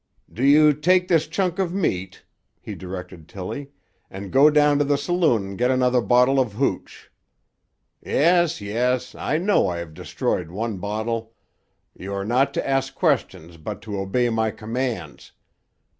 "Do you take this chunk of meat," he directed Tillie, "and go down to the saloon and get another bottle of hooch. Yes, yes; I know I have destroyed one bottle. You are not to ask questions but to obey my commands.